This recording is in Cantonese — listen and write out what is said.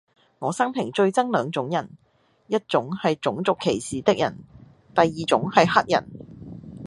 我生平最憎兩種人:一種系種族歧視的人,第二種系黑人